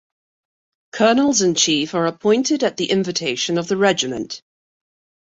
Colonels-in-Chief are appointed at the invitation of the regiment.